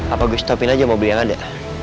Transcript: apa gue stopin aja mobil yang ada